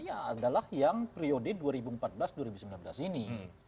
yang adalah yang priode dua ribu empat belas dua ribu sembilan belas ini